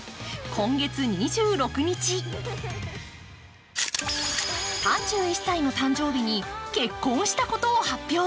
今月２６日、３１歳の誕生日に結婚したことを発表。